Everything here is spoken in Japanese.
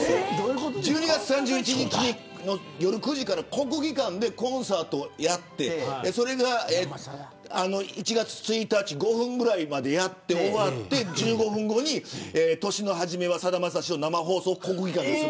１２月３１日の夜９時から国技館でコンサートをやってそれが１月１日５分ぐらいまでやって、終わって１５分後に年の初めはさだまさしえー。